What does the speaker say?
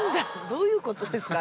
どういうことですか？